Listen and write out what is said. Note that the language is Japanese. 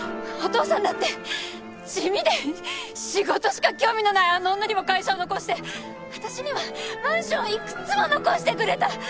お父さんだって地味で仕事しか興味のないあの女には会社を残して私にはマンションいくつも残してくれた。